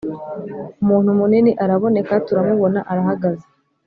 Umuntu munini araboneka turamubona arahagaze.